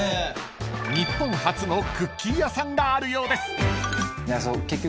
［日本初のクッキー屋さんがあるようです］